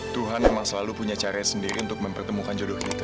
tuhan memang selalu punya caranya sendiri untuk mempertemukan jodoh kita